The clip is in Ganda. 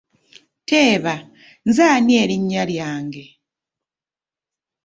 Teeba, nze ani erinnya lyange?